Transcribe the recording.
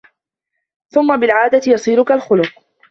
ثُمَّ بِالْعَادَةِ يَصِيرُ كَالْخُلُقِ